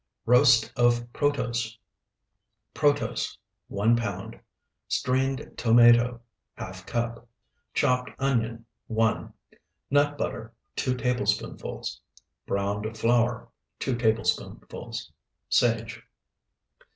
ROAST OF PROTOSE Protose, 1 pound. Strained tomato, ½ cup. Chopped onion, 1. Nut butter, 2 tablespoonfuls. Browned flour, 2 tablespoonfuls. Sage.